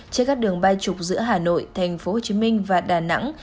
trên các đường bay trục giữa hà nội tp hcm và đà nẵng